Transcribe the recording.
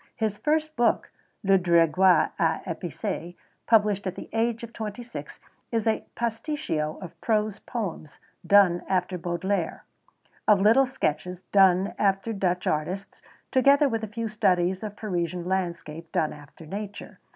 His first book, Le Drageoir á Epices, published at the age of twenty six, is a pasticcio of prose poems, done after Baudelaire, of little sketches, done after Dutch artists, together with a few studies of Parisian landscape, done after nature.